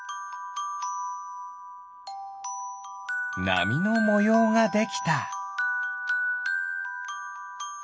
なみのもようができた。